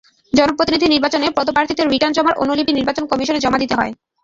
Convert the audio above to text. জনপ্রতিনিধি নির্বাচনে পদপ্রার্থীদের রিটার্ন জমার অনুলিপি নির্বাচন কমিশনে জমা দিতে হয়।